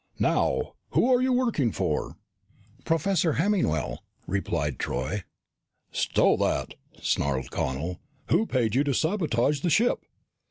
"Now, who are you working for?" "Professor Hemmingwell," replied Troy. "Stow that," snarled Connel. "Who paid you to sabotage the ship?"